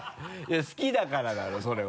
好きだからだろうそれは。